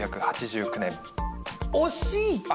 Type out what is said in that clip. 惜しい。